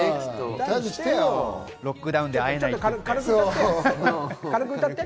ロックダウンで会えないかって。